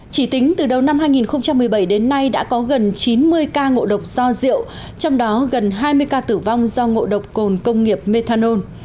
chỉ tính từ đầu năm hai nghìn một mươi bảy đến nay đã có gần chín mươi ca ngộ độc do rượu trong đó gần hai mươi ca tử vong do ngộ độc cồn công nghiệp methanol